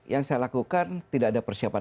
yang saya lakukan tidak ada persiapan